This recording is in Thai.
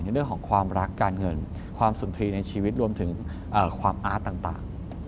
เรื่องของความรักการเงินความสุนทรีย์ในชีวิตรวมถึงความอาร์ตต่าง